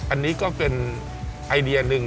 อันนี้ก็เป็นไอเดียหนึ่ง